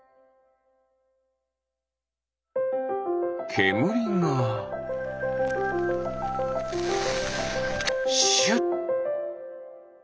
けむりがシュッ。